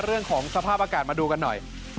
เรื่องของสภาพอากาศมาดูกันหน่อย